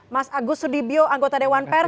mas agus sudibyo anggota dewan pers